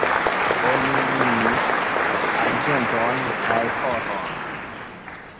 Oni minis arĝenton kaj oron.